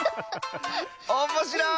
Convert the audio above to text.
おっもしろい！